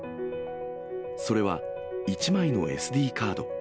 それは１枚のＳＤカード。